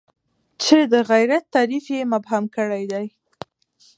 چې د غیرت تعریف یې مبهم کړی دی.